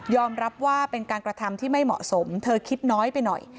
รับว่าเป็นการกระทำที่ไม่เหมาะสมเธอคิดน้อยไปหน่อย